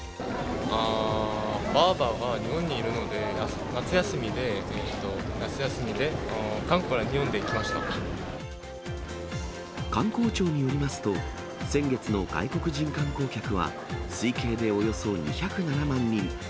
ばーばが日本にいるので、観光庁によりますと、先月の外国人観光客は、推計でおよそ２０７万人。